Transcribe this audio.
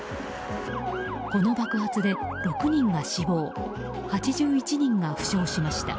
この爆発で６人が死亡８１人が負傷しました。